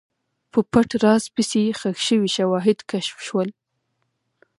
په پټ راز پسې، ښخ شوي شواهد کشف شول.